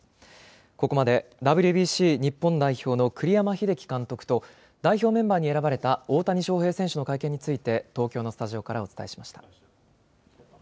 ここまでＷＢＣ日本代表の栗山英樹監督と、代表メンバーに選ばれた大谷翔平選手の会見について、東京のスタジオからお伝えしました。